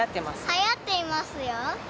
はやっていますよー。